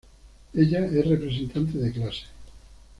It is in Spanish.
Ella es representante de clase.